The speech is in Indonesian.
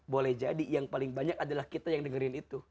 boleh jadi yang paling banyak adalah kita yang dengerin itu